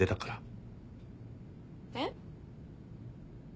えっ？